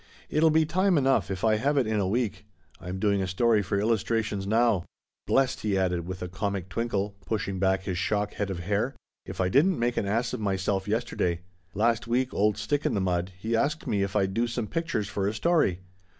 " It'll be time enough if I have it in a week. Fm doing a story for Illustrations now. Blessed," he added with a comic twinkle, pushing back NEW HOPES. 125 his shock head of hair, " if I didn't make an ass of myself yesterday. Last week old ' Stick in the Mud ' he asked me if I'd do some pictures for a story.